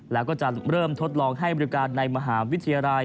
แล้วก็จะเริ่มทดลองให้บริการในมหาวิทยาลัย